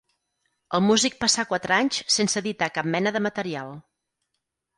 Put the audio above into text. El músic passà quatre anys sense editar cap mena de material.